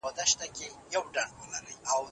تر نورو خورا ښه ځکه پېژني.